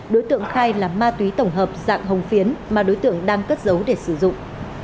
đối tượng khai là ma túy tổng hợp dạng hồng phiến mà đối tượng đang cất giấu để sử dụng